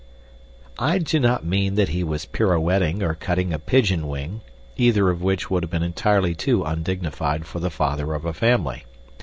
I do not mean that he was pirouetting or cutting a pigeon wing, either of which would have been entirely too undignified for the father of a family.